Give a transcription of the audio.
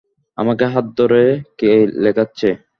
আমার হাত ধরে কে লেখাচ্ছে।